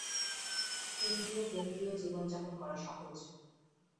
ইন্দ্রিয়-কেন্দ্রিক জীবন যাপন করা সহজ।